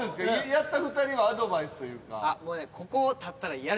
やった２人はアドバイスというか。